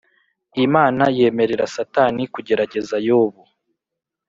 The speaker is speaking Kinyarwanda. Imana yemerera satani kugerageza Yobu